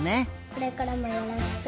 これからもよろしく！